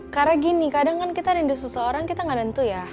karena gini kadang kan kita rindu seseorang kita gak tentu ya